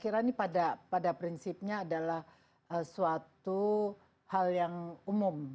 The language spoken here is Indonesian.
saya kira ini pada prinsipnya adalah suatu hal yang umum